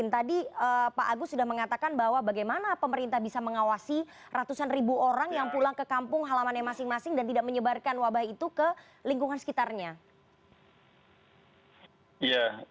tadi pak agus sudah mengatakan bahwa bagaimana pemerintah bisa mengawasi ratusan ribu orang yang pulang ke kampung halamannya masing masing dan tidak menyebarkan wabah itu ke lingkungan sekitarnya